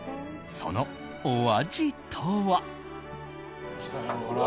そのお味とは。